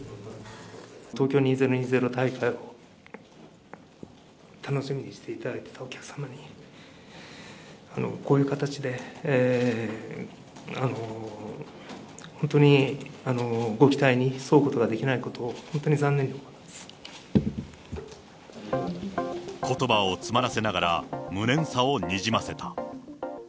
東京２０２０大会を楽しみにしていただいてたお客様に、こういう形で本当にご期待に沿うことができないことを本当に残念ことばを詰まらせながら、無念さをにじませた。